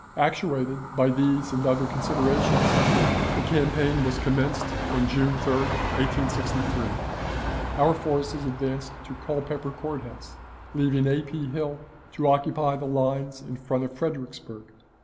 Actuated by these and other considerations, the campaign was commenced on June 3, 1863. Our forces advanced to Culpeper Court House, leaving A. P. Hill to occupy the lines in front of Fredericksburg.